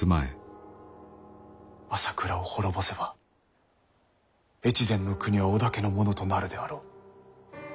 朝倉を滅ぼせば越前国は織田家のものとなるであろう。